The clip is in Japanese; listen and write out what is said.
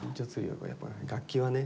やっぱ楽器はね